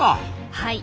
はい。